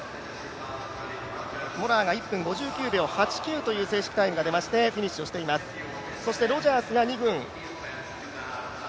モラアが１分５９秒８９というタイムが出てフィニッシュをしていますそしてロジャースが２分。